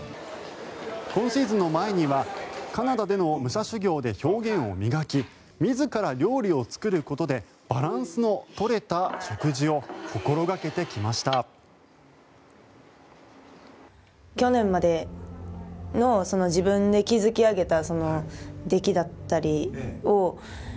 今シーズンの前にはカナダでの武者修行で表現を磨き自ら料理を作ることでバランスの取れた食事を心掛けてきました。